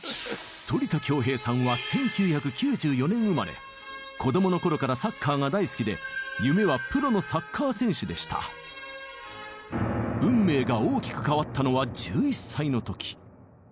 反田恭平さんは子供の頃からサッカーが大好きで運命が大きく変わったのは１１歳の時。